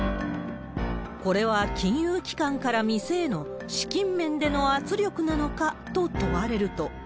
これは金融機関から店への資金面での圧力なのかと問われると。